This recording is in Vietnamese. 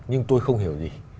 nhưng tôi không hiểu gì